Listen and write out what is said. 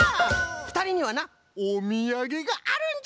ふたりにはなおみやげがあるんじゃよ！